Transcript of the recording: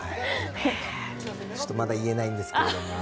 ちょっとまだ言えないんですけど。